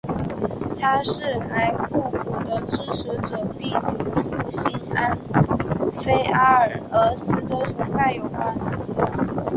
他是莱库古的支持者并与复兴安菲阿拉俄斯的崇拜有关。